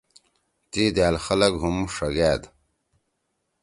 تی دأل خلگ ہُم ݜَگأد۔